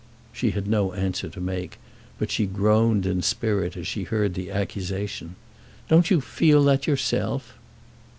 She had no answer to make, but she groaned in spirit as she heard the accusation. "Don't you feel that yourself?"